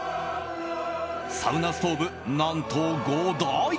サウナストーブ、何と５台。